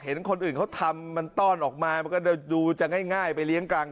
เห็นคนอื่นเขาทำมันต้อนออกมามันก็ดูจะง่ายไปเลี้ยงกลาง